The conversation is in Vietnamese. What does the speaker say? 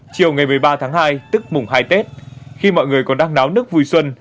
chiều ngày một mươi ba tháng hai tức mùng hai tết khi mọi người còn đang náo nước vui xuân